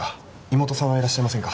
妹さんはいらっしゃいませんか？